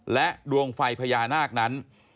และดวงไฟพญานาคนั้น